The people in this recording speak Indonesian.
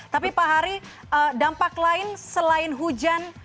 tapi pak hari dampak lain selain hujan